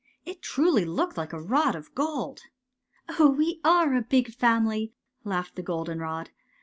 It truly looked like a rod of gold." '' Oh, we are a big family," laughed the goldenrod.